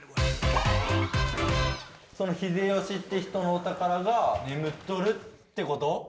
この秀吉っていう人のお宝が、眠っとるってこと？